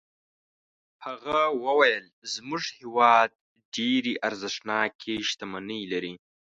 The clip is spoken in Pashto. هغه وویل زموږ هېواد ډېرې ارزښتناکې شتمنۍ لري.